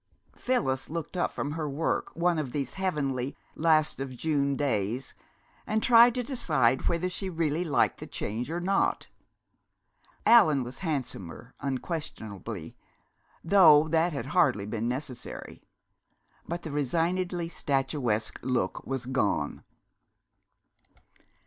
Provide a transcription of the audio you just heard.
Phyllis looked up from her work one of these heavenly last of June days, and tried to decide whether she really liked the change or not. Allan was handsomer unquestionably, though that had hardly been necessary. But the resignedly statuesque look was gone.